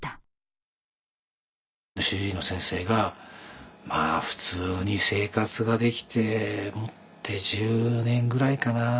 主治医の先生が「まあ普通に生活ができてもって１０年ぐらいかな」。